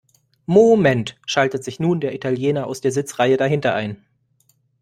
Moment!, schaltet sich nun der Italiener aus der Sitzreihe dahinter ein.